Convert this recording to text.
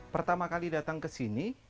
pertama kali datang ke sini